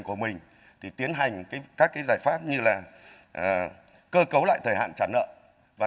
của mình thì tiến hành các cái giải pháp như là cơ cấu lại thời hạn trả nợ và